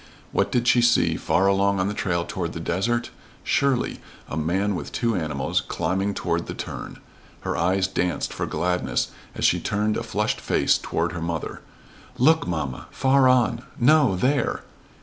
What did she see far along on the trail toward the desert? Surely, a man with two animals, climbing toward the turn. Her eyes danced for gladness as she turned a flushed face toward her mother. "Look, mamma! Far on, no there!